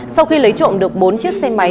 sau khi lấy trộm được bốn chiếc xe máy